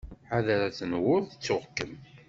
Ḥader ad tenwuḍ ttuɣ-kem!